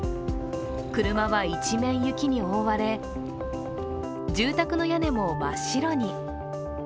車は一面雪に覆われ住宅の屋根も真っ白に。